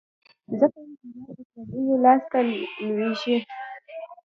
ځکه یې هیواد د پردیو لاس ته لوېږي.